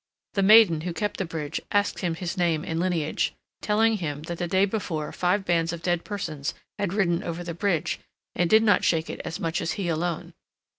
The maiden who kept the bridge asked him his name and lineage, telling him that the day before five bands of dead persons had ridden over the bridge, and did not shake it as much as he alone.